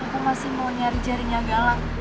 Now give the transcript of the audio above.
aku masih mau nyari jaringnya galang